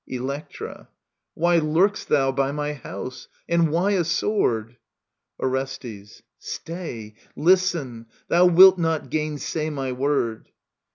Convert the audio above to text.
Electra. Why lurk'st thou by my house ? And why a sword ? Orestes. Stay. Listen I Thou wilt not gainsay my word.